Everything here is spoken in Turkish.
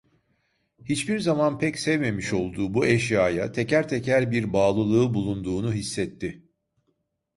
Hiçbir zaman pek sevmemiş olduğu bu eşyaya teker teker bir bağlılığı bulunduğunu hissetti.